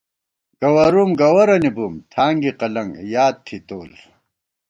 گوَرُوم گوَرَنی بُم، تھانگی قلنگ یاد تھی تول